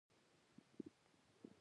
هغه وویل چې دا پالیسۍ د دې لامل شوې